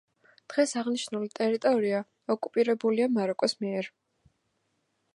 დღეს აღნიშნული ტერიტორია ოკუპირებულია მაროკოს მიერ.